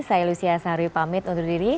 saya lucia sarwi pamit untuk diri